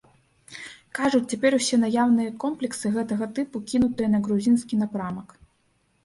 Кажуць, цяпер усе наяўныя комплексы гэтага тыпу кінутыя на грузінскі напрамак.